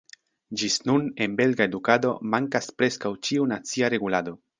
Ĝis nun en belga edukado mankas preskaŭ ĉiu nacia regulado.